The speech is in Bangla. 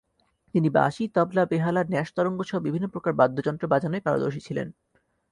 তিনি বাঁশি, তবলা, বেহালা, ন্যাসতরঙ্গসহ বিভিন্ন প্রকার বাদ্যযন্ত্র বাজানোয় পারদর্শী ছিলেন।